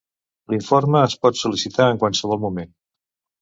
L'informe es pot sol·licitar en qualsevol moment.